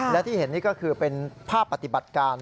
และที่เห็นนี่ก็คือเป็นภาพปฏิบัติการ